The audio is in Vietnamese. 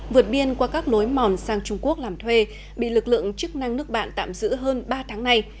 vượt biên qua các lối mòn sang trung quốc làm thuê bị lực lượng chức năng nước bạn tạm giữ hơn ba tháng nay